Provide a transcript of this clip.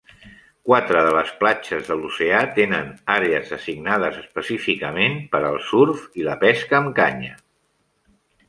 Quatre de les platges de l'oceà tenen àrees designades específicament per al surf i la pesca amb canya.